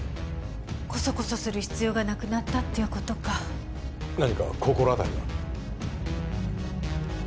コソコソする必要がなくなったっていうことか何か心当たりが？